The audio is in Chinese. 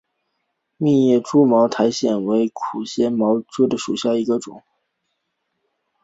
密叶蛛毛苣苔为苦苣苔科蛛毛苣苔属下的一个种。